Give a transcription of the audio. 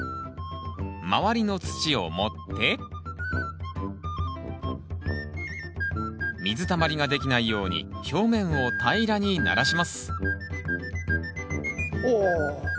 周りの土を盛って水たまりができないように表面を平らにならしますおお。